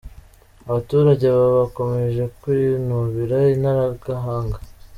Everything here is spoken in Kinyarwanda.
Abaturage bakomeje kwinubira Intaragahanga’